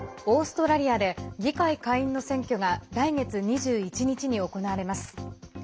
オーストラリアで議会下院の選挙が来月２１日に行われます。